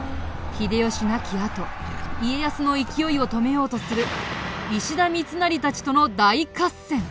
あと家康の勢いを止めようとする石田三成たちとの大合戦。